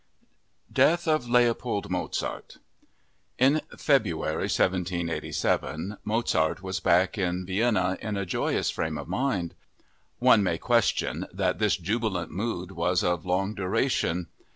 Death of Leopold Mozart In February 1787, Mozart was back in Vienna in a joyous frame of mind. One may question that this jubilant mood was of long duration.